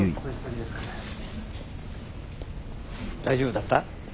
大丈夫だった？